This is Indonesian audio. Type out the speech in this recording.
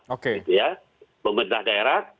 oke ya pemerintah daerah